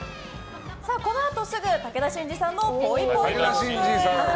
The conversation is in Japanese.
このあとすぐ武田真治さんのぽいぽいトーク。